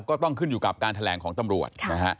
ก็ต้องขึ้นอยู่กับการแถลงของตำรวจนะฮะ